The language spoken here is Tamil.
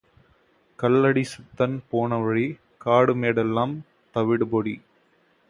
கல்லடிச் சித்தன் போனவழி, காடுமேடெல்லாம் தவிடுபொடி.